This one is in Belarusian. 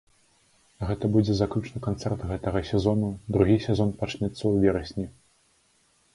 Гэта будзе заключны канцэрт гэтага сезону, другі сезон пачнецца ў верасні.